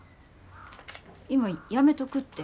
今やめとくって。